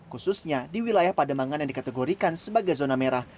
khususnya di wilayah pademangan yang dikategorikan sebagai zona merah